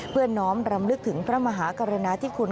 เพื่อน้อมรำลึกถึงพระมหากรณาธิคุณ